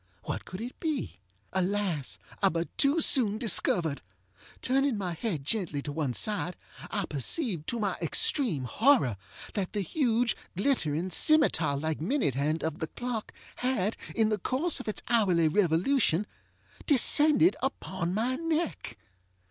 What could it be? Alas! I but too soon discovered. Turning my head gently to one side, I perceived, to my extreme horror, that the huge, glittering, scimetar like minute hand of the clock had, in the course of its hourly revolution, descended upon my neck.